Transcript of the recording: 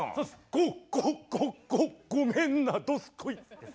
ごごごごごめんなどすこい。